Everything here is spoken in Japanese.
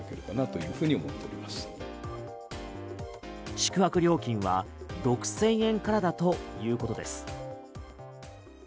宿泊料金は６０００円からだということです。